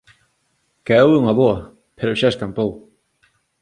Caeu unha boa, pero xa escampou